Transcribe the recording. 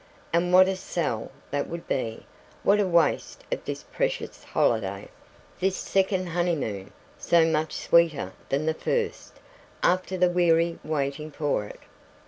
And what a sell that would be what waste of this precious holiday, this second honeymoon, so much sweeter than the first after the weary waiting for it!